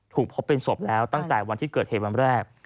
พบเป็นศพแล้วตั้งแต่วันที่เกิดเหตุวันแรก